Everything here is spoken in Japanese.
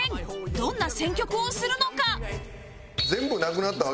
どんな選曲をするのか？